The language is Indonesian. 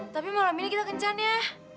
tapi malam ini kita kencan ya